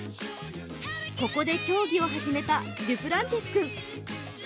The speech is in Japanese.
ここで競技を始めたデュプランティス君。